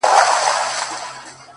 • وارخطا یې ښي او کیڼ لور ته کتله,